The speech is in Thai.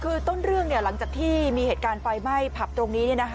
คือต้นเรื่องหลังจากที่มีเหตุการณ์ไฟไหม้ผับตรงนี้